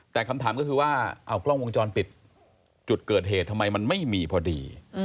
แต่คำถามก็คือว่าเอากล้องวงจรปิดจุดเกิดเหตุทำไมมันไม่มีพอดี